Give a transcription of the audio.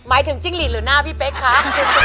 หมายถึงจิ้งหลีดหรือหน้าพี่เป๊กครับ